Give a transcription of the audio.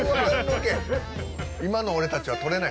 今の俺たちはとれない。